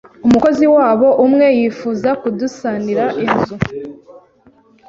umukozi wabo umwe yifuza kudusanira inzu,